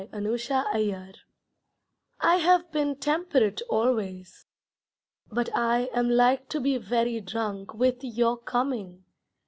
Anticipation I have been temperate always, But I am like to be very drunk With your coming.